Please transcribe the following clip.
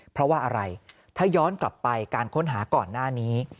เพราะว่าอะไรถ้าย้อนกลับไปการค้นหาก่อนหน้านี้